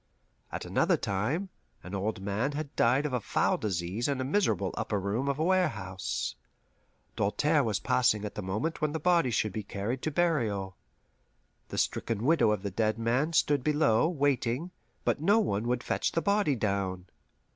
At another time, an old man had died of a foul disease in a miserable upper room of a warehouse. Doltaire was passing at the moment when the body should be carried to burial. The stricken widow of the dead man stood below, waiting, but no one would fetch the body down.